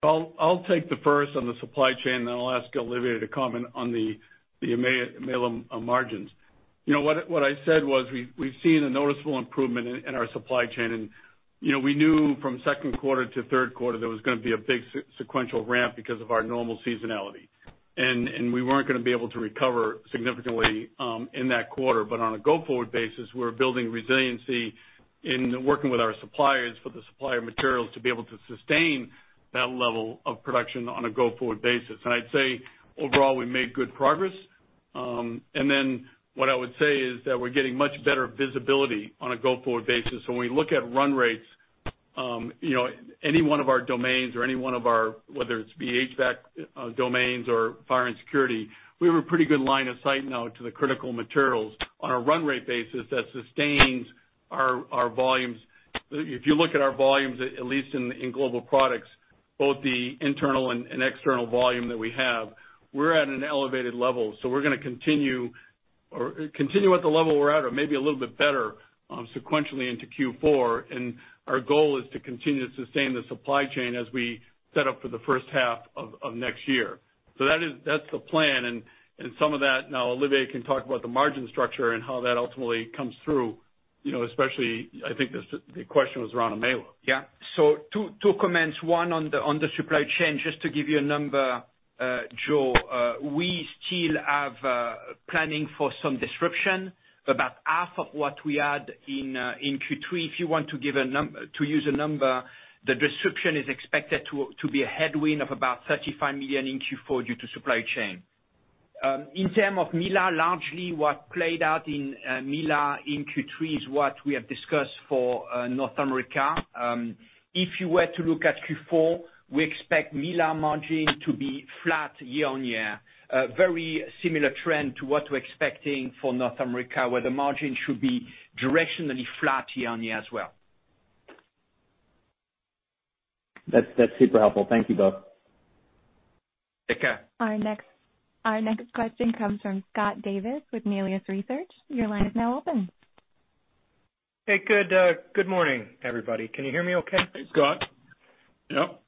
I'll take the first on the supply chain, then I'll ask Olivier to comment on the EMEA/LA margins. You know what I said was we've seen a noticeable improvement in our supply chain and, you know, we knew from second quarter to third quarter there was gonna be a big sequential ramp because of our normal seasonality. We weren't gonna be able to recover significantly in that quarter. But on a go-forward basis, we're building resiliency in working with our suppliers for the supplier materials to be able to sustain that level of production on a go-forward basis. I'd say overall, we made good progress. Then what I would say is that we're getting much better visibility on a go-forward basis. When we look at run rates, any one of our domains or any one of our, whether it be HVAC, domains or fire and security, we have a pretty good line of sight now to the critical materials on a run rate basis that sustains our volumes. If you look at our volumes, at least in global products, both the internal and external volume that we have, we're at an elevated level. We're gonna continue at the level we're at or maybe a little bit better, sequentially into Q4. Our goal is to continue to sustain the supply chain as we set up for the first half of next year. That is the plan. Some of that, now Olivier can talk about the margin structure and how that ultimately comes through. You know, especially I think the question was around EMEA/LA. Yeah. Two comments, one on the supply chain. Just to give you a number, Joe, we still have planning for some disruption, about half of what we had in Q3. If you want to use a number, the disruption is expected to be a headwind of about $35 million in Q4 due to supply chain. In terms of EMEA/LA, largely what played out in EMEA/LA in Q3 is what we have discussed for North America. If you were to look at Q4, we expect EMEA/LA margin to be flat year-over-year. Very similar trend to what we're expecting for North America, where the margin should be directionally flat year-over-year as well. That's super helpful. Thank you both. Our next question comes from Scott Davis with Melius Research. Your line is now open. Hey, good morning, everybody. Can you hear me okay? Hey, Scott. Yep.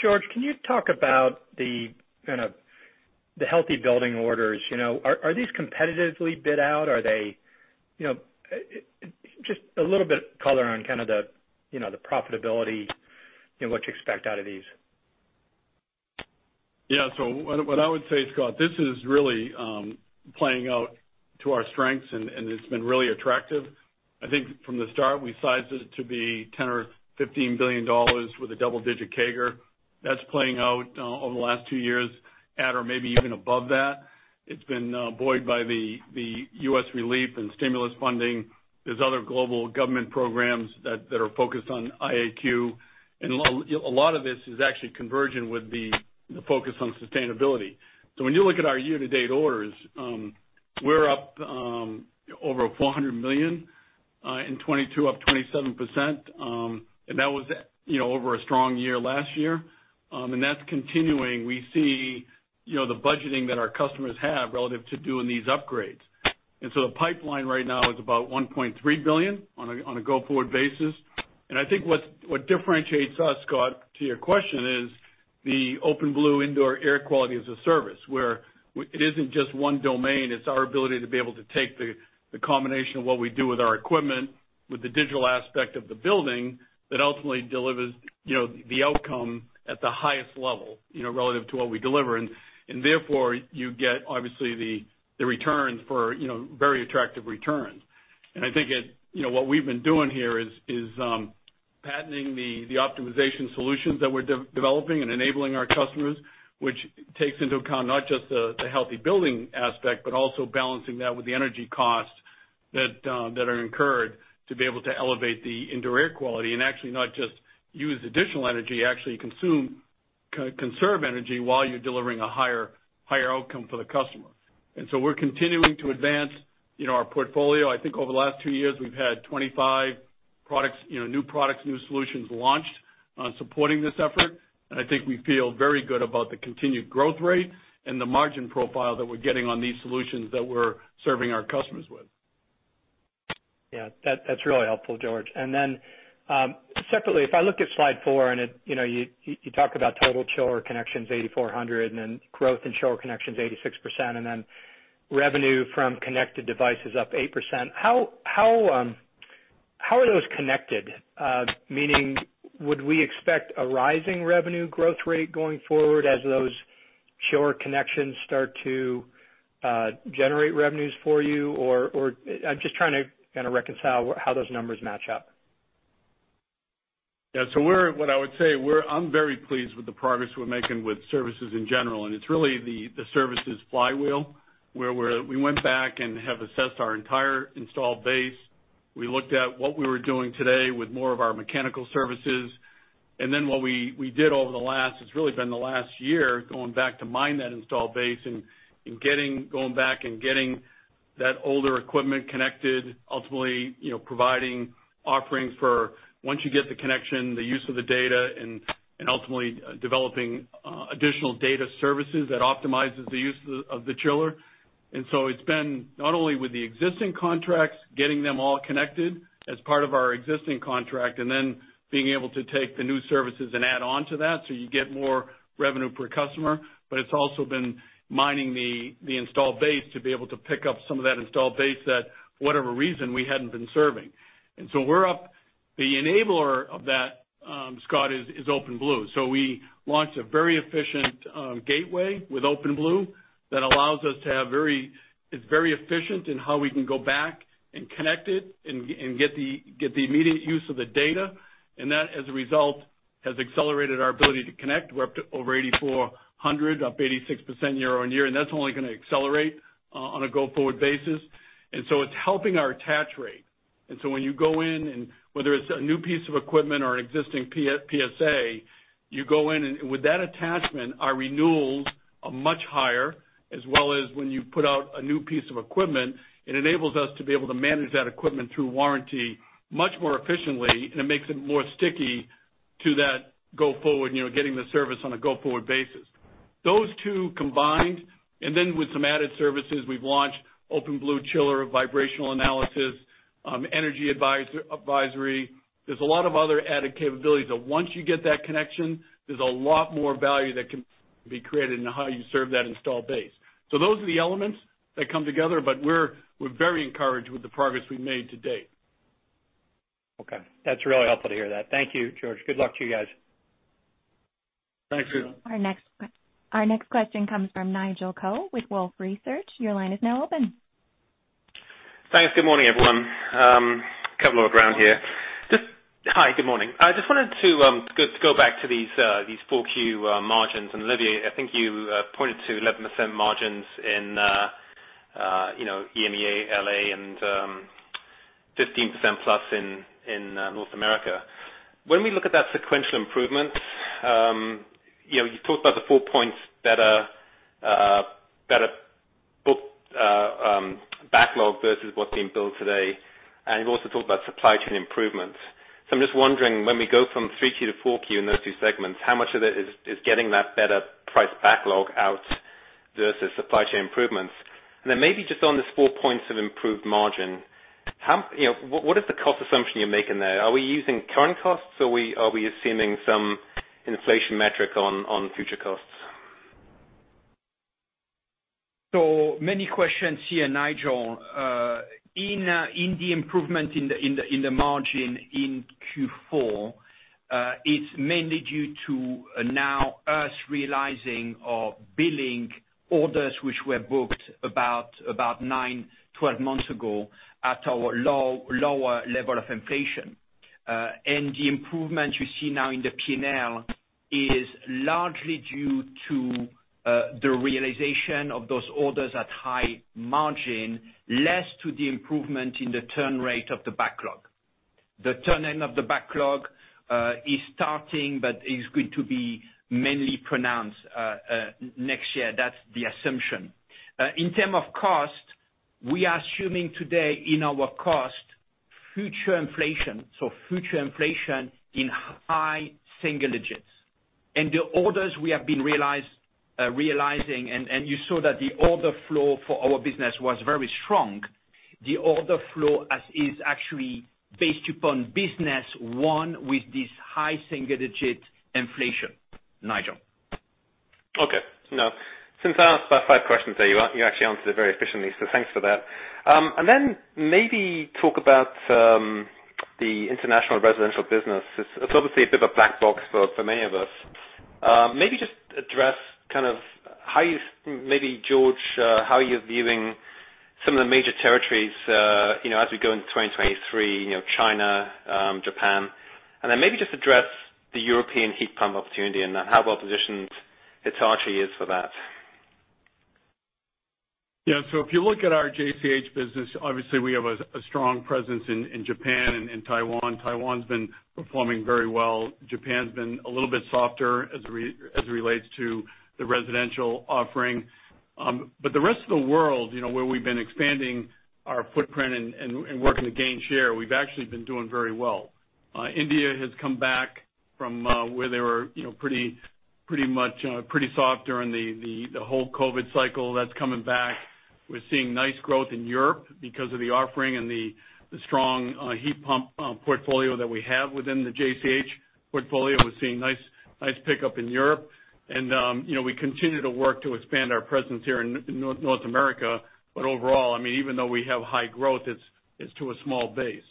George, can you talk about the kind of the healthy building orders, you know, are these competitively bid out? Are they, you know, just a little bit color on kind of the, you know, the profitability and what you expect out of these. Yeah. What I would say, Scott, this is really playing out to our strengths and it's been really attractive. I think from the start, we sized it to be $10 billion-$15 billion with a double-digit CAGR. That's playing out over the last two years at or maybe even above that. It's been buoyed by the U.S. relief and stimulus funding. There's other global government programs that are focused on IAQ. A lot of this is actually convergent with the focus on sustainability. When you look at our year-to-date orders, we're up over $400 million in 2022, up 27%, and that was, you know, over a strong year last year. That's continuing. We see, you know, the budgeting that our customers have relative to doing these upgrades. The pipeline right now is about $1.3 billion on a go-forward basis. I think what differentiates us, Scott, to your question, is the OpenBlue indoor air quality as a service, where it isn't just one domain, it's our ability to be able to take the combination of what we do with our equipment, with the digital aspect of the building that ultimately delivers, you know, the outcome at the highest level, you know, relative to what we deliver. Therefore, you get obviously the returns for, you know, very attractive returns. I think it's, you know, what we've been doing here is patenting the optimization solutions that we're developing and enabling our customers, which takes into account not just the healthy building aspect, but also balancing that with the energy costs that are incurred to be able to elevate the indoor air quality and actually not just use additional energy, actually conserve energy while you're delivering a higher outcome for the customer. We're continuing to advance, you know, our portfolio. I think over the last two years, we've had 25 products, you know, new products, new solutions launched on supporting this effort. I think we feel very good about the continued growth rate and the margin profile that we're getting on these solutions that we're serving our customers with. Yeah. That's really helpful, George. Then, separately, if I look at slide four and it you know you talk about total chiller connections, 8,400, and then growth in chiller connections, 86%, and then revenue from connected devices up 8%. How are those connected? Meaning, would we expect a rising revenue growth rate going forward as those chiller connections start to generate revenues for you or I'm just trying to kinda reconcile how those numbers match up. What I would say, we're very pleased with the progress we're making with services in general, and it's really the services flywheel, where we went back and have assessed our entire installed base. We looked at what we were doing today with more of our mechanical services. What we did over the last, it's really been the last year, going back to mine that installed base and getting that older equipment connected, ultimately, you know, providing offerings for once you get the connection, the use of the data, and ultimately developing additional data services that optimizes the use of the chiller. It's been not only with the existing contracts, getting them all connected as part of our existing contract, and then being able to take the new services and add on to that, so you get more revenue per customer, but it's also been mining the installed base to be able to pick up some of that installed base that for whatever reason we hadn't been serving. We're up. The enabler of that, Scott, is OpenBlue. We launched a very efficient gateway with OpenBlue that allows us to have. It's very efficient in how we can go back and connect it and get the immediate use of the data. That, as a result, has accelerated our ability to connect. We're up to over 8,400, up 86% year-on-year, and that's only gonna accelerate on a go-forward basis. It's helping our attach rate. When you go in and whether it's a new piece of equipment or an existing PSA, you go in and with that attachment, our renewals are much higher, as well as when you put out a new piece of equipment, it enables us to be able to manage that equipment through warranty much more efficiently, and it makes it more sticky to that go forward, you know, getting the service on a go-forward basis. Those two combined, then with some added services, we've launched OpenBlue Chiller, Vibration Analysis, Energy Advisory. There's a lot of other added capabilities that once you get that connection, there's a lot more value that can be created in how you serve that installed base. Those are the elements that come together, but we're very encouraged with the progress we've made to date. Okay. That's really helpful to hear that. Thank you, George. Good luck to you guys. Thanks. Our next question comes from Nigel Coe with Wolfe Research. Your line is now open. Thanks. Good morning, everyone. I just wanted to go back to these 4Q margins. Olivier, I think you pointed to 11% margins in, you know, EMEA/LA, and 15% plus in North America. When we look at that sequential improvement, you know, you talked about the four points that are versus what's being built today. You've also talked about supply chain improvements. I'm just wondering, when we go from 3Q to 4Q in those two segments, how much of it is getting that better price backlog out versus supply chain improvements? Then maybe just on the four points of improved margin, you know, what is the cost assumption you're making there? Are we using current costs or are we assuming some inflation metric on future costs? Many questions here, Nigel. In the improvement in the margin in Q4, it's mainly due to now us realizing or billing orders which were booked about 9-12 months ago at our lower level of inflation. The improvement you see now in the P&L is largely due to the realization of those orders at high margin, less to the improvement in the turn rate of the backlog. The turning of the backlog is starting but is going to be mainly pronounced next year. That's the assumption. In terms of cost, we are assuming today in our cost future inflation, so future inflation in high single digits. The orders we have been realizing, and you saw that the order flow for our business was very strong. The order flow as is actually based upon business one with this high single-digit inflation, Nigel. Okay. No. Since I asked about five questions there, you actually answered it very efficiently, so thanks for that. Maybe talk about the international residential business. It's obviously a bit of a black box for many of us. Maybe just address, maybe George, how you're viewing some of the major territories, you know, as we go into 2023, you know, China, Japan. Maybe just address the European heat pump opportunity and how well positioned Hitachi is for that. Yeah. If you look at our JCH business, obviously we have a strong presence in Japan and Taiwan. Taiwan's been performing very well. Japan's been a little bit softer as it relates to the residential offering. The rest of the world, you know, where we've been expanding our footprint and working to gain share, we've actually been doing very well. India has come back from where they were, you know, pretty much pretty soft during the whole COVID cycle. That's coming back. We're seeing nice growth in Europe because of the offering and the strong heat pump portfolio that we have within the JCH portfolio. We're seeing nice pickup in Europe. You know, we continue to work to expand our presence here in North America. Overall, I mean, even though we have high growth, it's to a small base.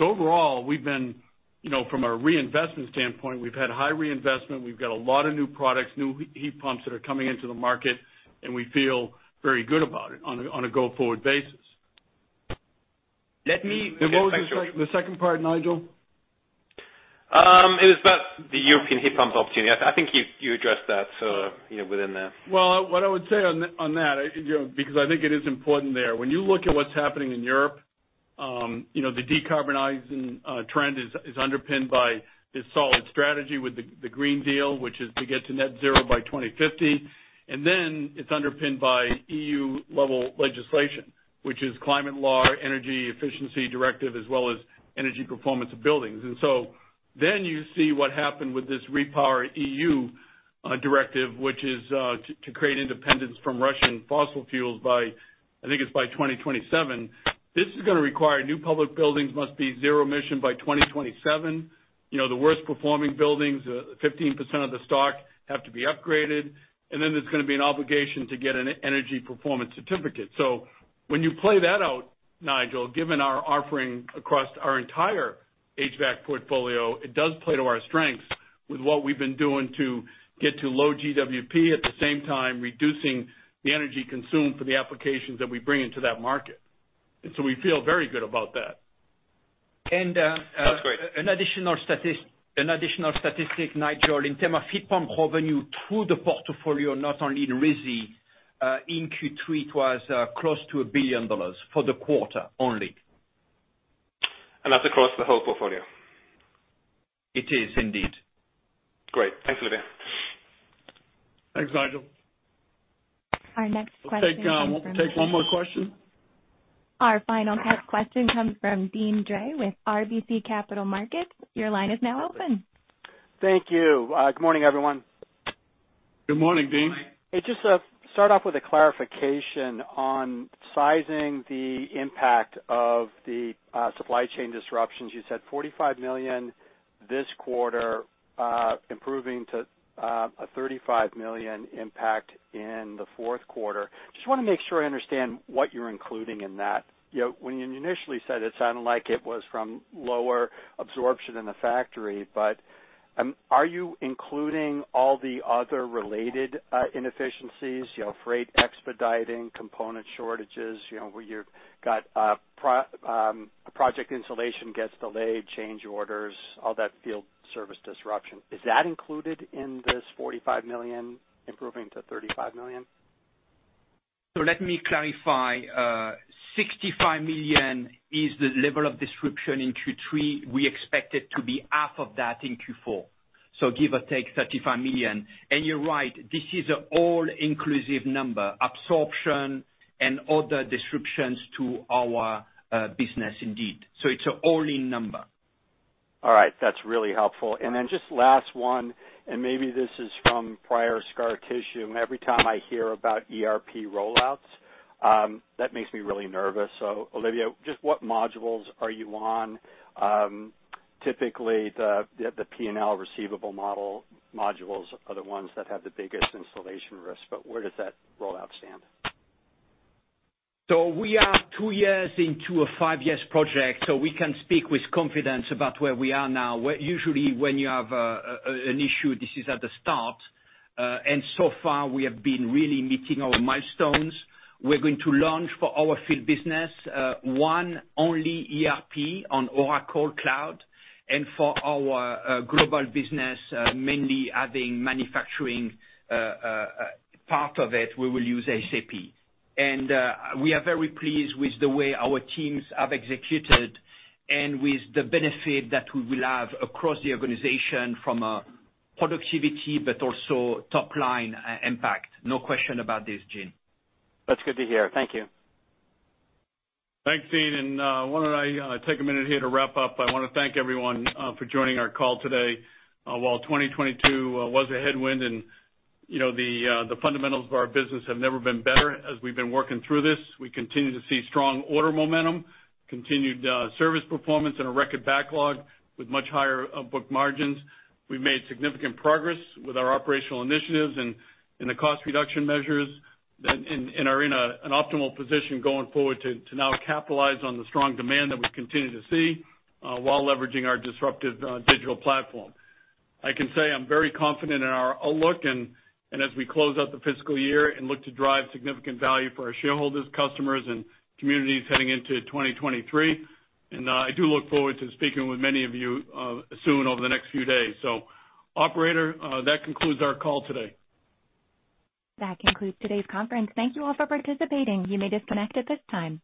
Overall, we've been, you know, from a reinvestment standpoint, we've had high reinvestment. We've got a lot of new products, new heat pumps that are coming into the market, and we feel very good about it on a go-forward basis. Let me. Nigel, the second part, Nigel? It was about the European heat pump opportunity. I think you addressed that, so you know, within the. Well, what I would say on that, you know, because I think it is important there. When you look at what's happening in Europe, you know, the decarbonizing trend is underpinned by this solid strategy with the Green Deal, which is to get to net zero by 2050. It's underpinned by E.U. level legislation, which is climate law, energy efficiency directive, as well as energy performance of buildings. You see what happened with this REPowerEU Directive, which is to create independence from Russian fossil fuels by, I think it's by 2027. This is gonna require new public buildings must be zero emission by 2027. You know, the worst performing buildings, 15% of the stock have to be upgraded, and then there's gonna be an obligation to get an energy performance certificate. When you play that out, Nigel, given our offering across our entire HVAC portfolio, it does play to our strengths with what we've been doing to get to low GWP, at the same time, reducing the energy consumed for the applications that we bring into that market. We feel very good about that. And, uh. That's great. An additional statistic, Nigel, in terms of heat pump revenue through the portfolio, not only in Resi, in Q3 it was close to $1 billion for the quarter only. That's across the whole portfolio? It is indeed. Great. Thanks, Olivier. Thanks, Nigel. Our next question comes from. We'll take one more question. Our final question comes from Deane Dray with RBC Capital Markets. Your line is now open. Thank you. Good morning, everyone. Good morning, Deane. Hey, just to start off with a clarification on sizing the impact of the supply chain disruptions. You said $45 million this quarter, improving to a $35 million impact in the fourth quarter. Just wanna make sure I understand what you're including in that. You know, when you initially said, it sounded like it was from lower absorption in the factory, but are you including all the other related inefficiencies, you know, freight expediting, component shortages, you know, where you've got a project installation gets delayed, change orders, all that field service disruption. Is that included in this $45 million improving to $35 million? Let me clarify. 65 million is the level of disruption in Q3. We expect it to be half of that in Q4. Give or take $35 million. You're right, this is an all-inclusive number, absorption and other disruptions to our business indeed. It's an all-in number. All right. That's really helpful. Just last one, and maybe this is from prior scar tissue. Every time I hear about ERP rollouts, that makes me really nervous. Olivier, just what modules are you on? Typically the P&L receivable modules are the ones that have the biggest installation risk, but where does that rollout stand? We are two years into a five-year project, so we can speak with confidence about where we are now. Usually, when you have an issue, this is at the start. So far, we have been really meeting our milestones. We're going to launch for our field business one only ERP on Oracle Cloud. For our global business, mainly adding manufacturing part of it, we will use SAP. We are very pleased with the way our teams have executed and with the benefit that we will have across the organization from a productivity but also top line impact. No question about this, Deane. That's good to hear. Thank you. Thanks, Deane. Why don't I take a minute here to wrap up. I wanna thank everyone for joining our call today. While 2022 was a headwind and, you know, the fundamentals of our business have never been better as we've been working through this. We continue to see strong order momentum, continued service performance and a record backlog with much higher book margins. We've made significant progress with our operational initiatives and the cost reduction measures and are in an optimal position going forward to now capitalize on the strong demand that we continue to see while leveraging our disruptive digital platform. I can say I'm very confident in our outlook and as we close out the fiscal year and look to drive significant value for our shareholders, customers and communities heading into 2023. I do look forward to speaking with many of you soon over the next few days. Operator, that concludes our call today. That concludes today's conference. Thank you all for participating. You may disconnect at this time.